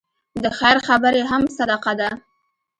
د خیر خبرې هم صدقه ده.